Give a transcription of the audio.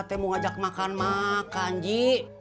mau ngajak makan makan ji